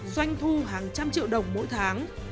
doanh thu hàng trăm triệu đồng mỗi tháng